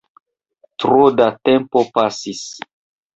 Tro da tempo pasis